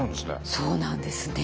そうなんですね。